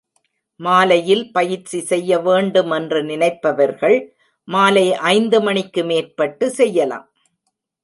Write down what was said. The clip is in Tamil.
மாலையில் பயிற்சி செய்ய வேண்டும் என்று நினைப்பவர்கள் மாலை ஐந்து மணிக்கு மேற்பட்டு செய்யலாம்.